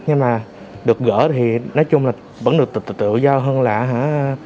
nhưng mà được gỡ thì nói chung là vẫn được tự tự giao hơn là hả